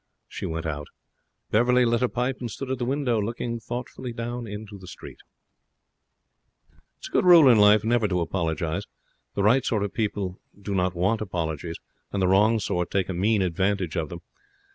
She went out. Beverley lit a pipe and stood at the window looking thoughtfully down into the street. It is a good rule in life never to apologize. The right sort of people do not want apologies, and the wrong sort take a mean advantage of them.